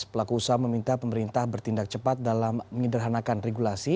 pelaku usaha meminta pemerintah bertindak cepat dalam menyederhanakan regulasi